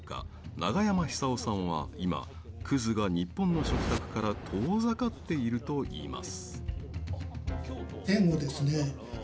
永山久夫さんは今、葛が日本の食卓から遠ざかっていると言います。